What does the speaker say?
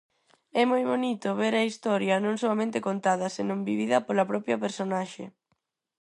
É moi bonito ver a historia non soamente contada, senón vivida pola propia personaxe.